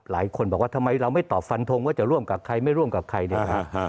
หลายคนบอกว่าทำไมเราไม่ตอบฟันทงว่าจะร่วมกับใครไม่ร่วมกับใครเนี่ย